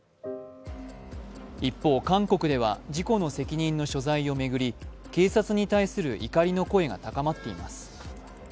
一方、韓国では事故の責任の所在を巡り警察に対する怒りの声が高まっています。